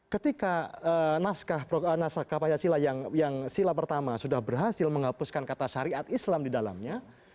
ketika naskah pancasila yang sila pertama sudah berhasil menghapuskan kata syariat islam di dalamnya